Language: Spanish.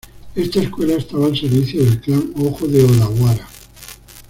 Esta escuela estaba al servicio del clan Hojo de Odawara.